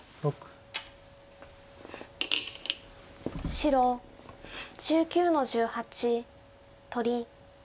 白１９の十八取り。